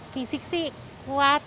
fisik sih kuat